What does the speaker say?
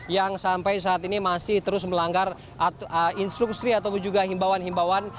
yang sampai saat ini masih terus melanggar instruksi atau juga himbauan himbauan